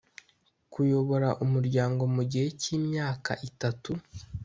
kuyobora umuryango mu gihe cy imyaka itatu